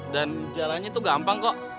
dan jalannya tuh gampang kok